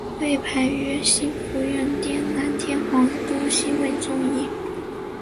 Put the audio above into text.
位牌曰兴福院殿南天皇都心位尊仪。